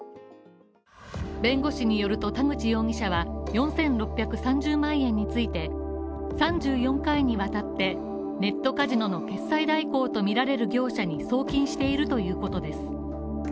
弁護士によると田口容疑者は４６３０万円について３４回にわたってネットカジノの決済代行とみられる業者に送金しているということです。